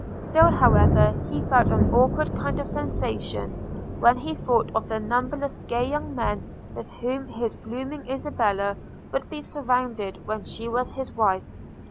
Still, however, he felt an awkward kind of sensation, when he thought of the numberless gay young men with whom his blooming Isabella would be surrounded when she was his wife.